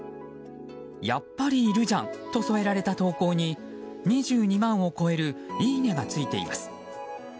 やっぱりいるじゃん！！と添えられた投稿に２２万を超えるいいねがついています。